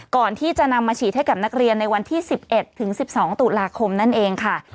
ก่อนที่จะนำมาฉีดให้กับนักเรียนในวันที่๑๑ถึง๑๒ตุลาคมนั่นเองค่ะ